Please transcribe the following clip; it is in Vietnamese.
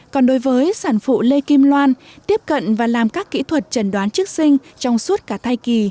còn đối với sản phụ lê kim loan tiếp cận và làm các kỹ thuật trần đoán trước sinh trong suốt cả thai kỳ